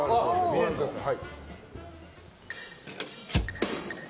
ご覧ください。